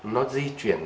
nó di chuyển